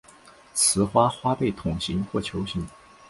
雌花花被筒形或球形。